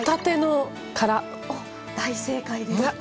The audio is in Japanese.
大正解です！